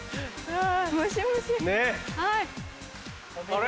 あれ？